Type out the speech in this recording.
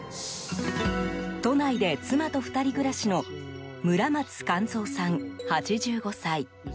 都内で妻と２人暮らしの村松幹三さん、８５歳。